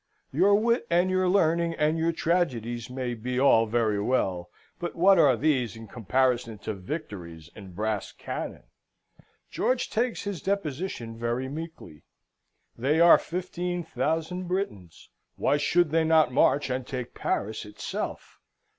Your wit, and your learning, and your tragedies, may be all very well; but what are these in comparison to victories and brass cannon? George takes his deposition very meekly. They are fifteen thousand Britons. Why should they not march and take Paris itself?